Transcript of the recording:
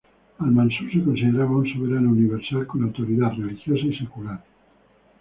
Al-Mansur se consideraba un soberano universal con autoridad religiosa y secular.